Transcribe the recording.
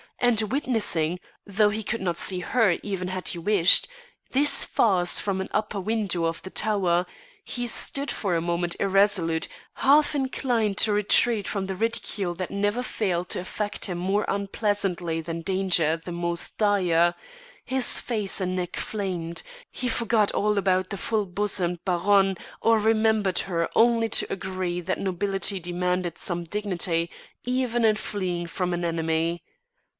and witnessing (though he could not see her even had he wished) this farce from an upper window of the tower. He stood for a moment irresolute, half inclined to retreat from the ridicule that never failed to affect him more unpleasantly than danger the most dire; his face and neck flamed; he forgot all about the full bosomed Baronne or remembered her only to agree that nobility demanded some dignity even in fleeing from an enemy.